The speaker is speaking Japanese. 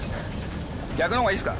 逆のほうがいいっすか？